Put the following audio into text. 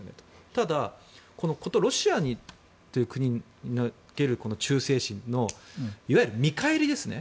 ただ、殊ロシアという国における忠誠心のいわゆる見返りですね。